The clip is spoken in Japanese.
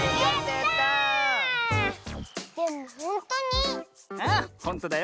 でもほんとに？